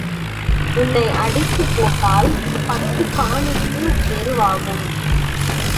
உன்னை அடித்துப் போட்டால் பத்துக் காணிக்கு எரு ஆகும்.